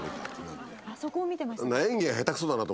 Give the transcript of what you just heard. あそこを見てましたか。